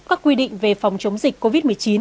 các quy định về phòng chống dịch covid một mươi chín